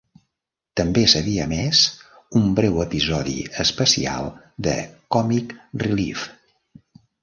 També s'havia emès un breu episodi especial de Comic Relief.